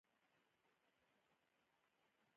سپين مخ دې پټ ساته نقاب کې، جلۍ عادت به مې خراب کړې